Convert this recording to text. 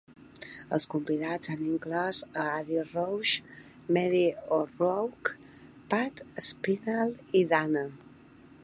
Els convidats han inclòs a Adi Roche, Mary O'Rourke, Pat Spillane i Dana.